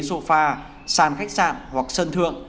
có thể ngủ tại sofa sàn khách sạn hoặc sân thượng